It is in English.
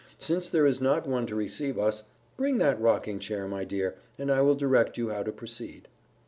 Since there is not one to receive us, bring that rocking chair, my dear, and I will direct you how to proceed."